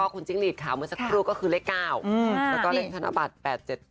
แล้วก็คุณจิ๊กลีทค่ะเมื่อสักครู่ก็คือเลขเก้าอืมแล้วก็เลขท่านอบัตรแปดเจ็ด